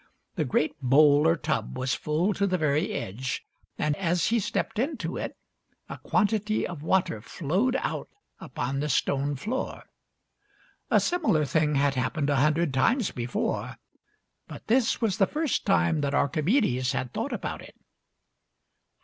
The great bowl or tub was full to the very edge, and as he stepped into it a quantity of water flowed out upon the stone floor. A similar thing had happened a hundred times before, but this was the first time that Archimedes had thought about it.